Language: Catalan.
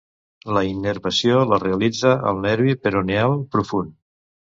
La innervació la realitza el nervi peroneal profund.